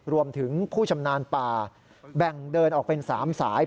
รวมถึงผู้ชำนาญป่าแบ่งเดินออกเป็น๓สาย